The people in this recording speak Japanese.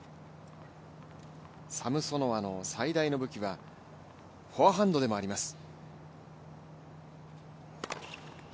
サムソノワの最大の武器はフォアハンドでもあります。